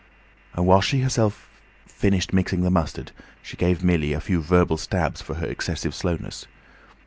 And while she herself finished mixing the mustard, she gave Millie a few verbal stabs for her excessive slowness.